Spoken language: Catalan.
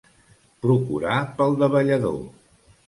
Procurar pel davallador.